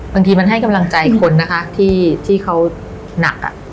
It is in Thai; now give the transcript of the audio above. บางทีมันให้กำลังใจคนนะคะที่เขาหนัก